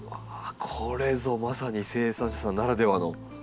これぞまさに生産者さんならではのテクニック。